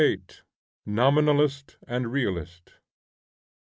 NOMINALIST AND REALIST.